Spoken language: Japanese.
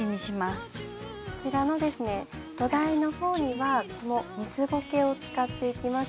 こちらの土台の方には水苔を使っていきます。